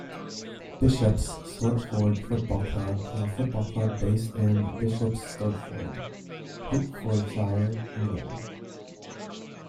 Bishop's Stortford Football Club is a football club based in Bishop's Stortford, Hertfordshire, England.